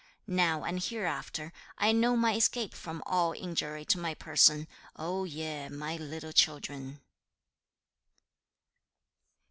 Now and hereafter, I know my escape from all injury to my person, O ye, my little children.'